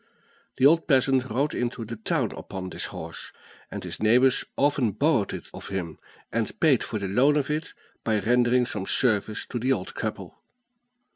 The old peasant rode into the town upon this horse, and his neighbors often borrowed it of him, and paid for the loan of it by rendering some service to the old couple.